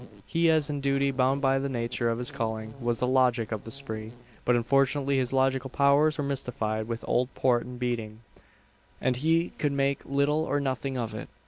He, as in duty bound by the nature of his calling, was the "Logic" of the "spree;" but unfortunately his logical powers were mystified with old port and beating, and he could make little or nothing of it.